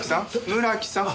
村木さん。